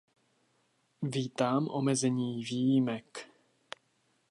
Vítám omezení výjimek.